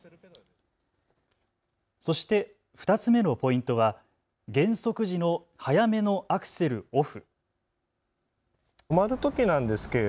そして２つ目のポイントは減速時の早めのアクセルオフ。